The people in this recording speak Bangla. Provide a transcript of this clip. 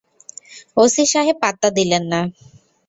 ওসি সাহেব পাত্তা দিলেন না।